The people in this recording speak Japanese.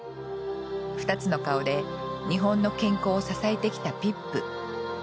２つの顔で日本の健康を支えてきたピップ。